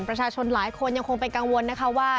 ประชาชนหลายคนยังคงเป็นกังวลนะคะว่า